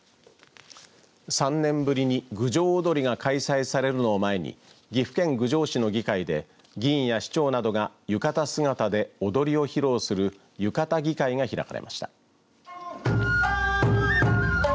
３年ぶりに郡上おどりが開催されるのを前に岐阜県郡上市の議会で議員や市長などが浴衣姿でおどりを披露する浴衣議会が開かれました。